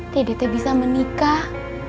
dek dek teh bisa menikah